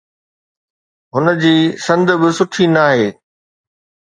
هن جي سند به سٺي ناهي.